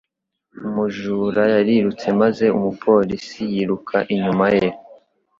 Umujura yarirutse maze umupolisi yiruka inyuma ye.